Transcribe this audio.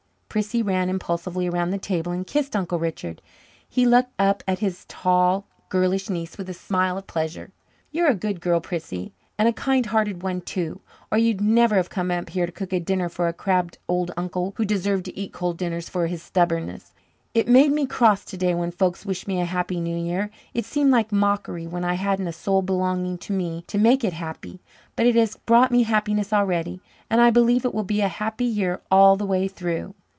Prissy ran impulsively around the table and kissed Uncle Richard. He looked up at his tall, girlish niece with a smile of pleasure. "You're a good girl, Prissy, and a kind hearted one too, or you'd never have come up here to cook a dinner for a crabbed old uncle who deserved to eat cold dinners for his stubbornness. It made me cross today when folks wished me a happy New Year. It seemed like mockery when I hadn't a soul belonging to me to make it happy. But it has brought me happiness already, and I believe it will be a happy year all the way through."